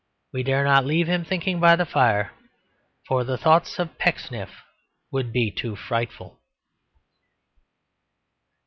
We dare not leave him thinking by the fire, for the thoughts of Pecksniff would be too frightful.